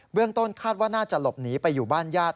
เรื่องต้นคาดว่าน่าจะหลบหนีไปอยู่บ้านญาติ